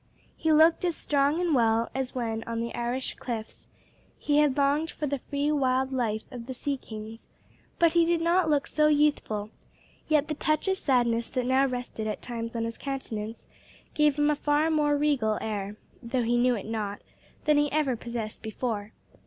He looked as strong and well as when, on the Irish cliffs, he had longed for the free, wild life of the sea kings, but he did not look so youthful; yet the touch of sadness that now rested at times on his countenance gave him a far more regal air, though he knew it not, than he ever possessed before.